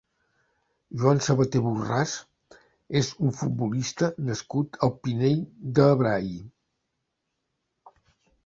Joan Sabaté Borràs és un futbolista nascut al Pinell de Brai.